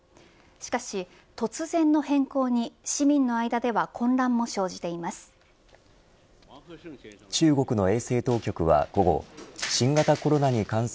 しかし突然の変更に市民の間では混乱も生じています。